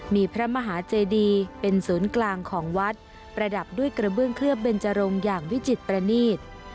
มีพระมหาเจดีเป็นศูนย์กลางของวัดประดับด้วยกระเบื้องเคลือบเบนจรงอย่างวิจิตประนีต